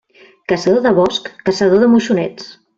Caçador de bosc, caçador de moixonets.